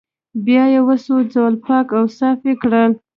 بيا يې وسوځول پاک او صاف يې کړل